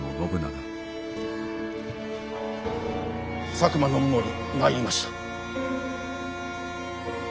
佐久間信盛参りました。